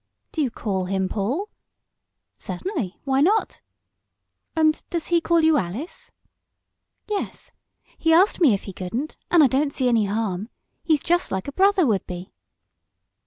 "Do you call him Paul?" "Certainly why not." "And does he call you Alice?" "Yes. He asked me if he couldn't, and I don't see any harm. He's just like a brother would be."